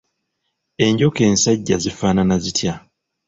Enjoka ensajja zifaanana zitya?